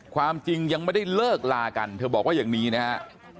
ความจริงยังไม่ได้เลิกลากันเธอบอกว่าอย่างนี้นะฮะ